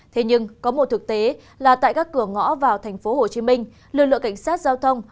thế nhưng có một thực tế là tại các cửa ngõ vào tp hcm lực lượng cảnh sát giao thông